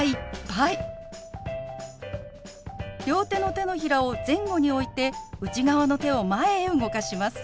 両手の手のひらを前後に置いて内側の手を前へ動かします。